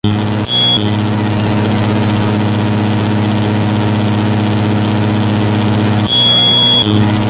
Ellos se suman más altos picos, crestas y las laderas de las montañas.